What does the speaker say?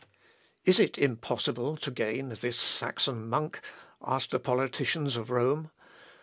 "Is it impossible to gain this Saxon monk?" asked the politicians of Rome.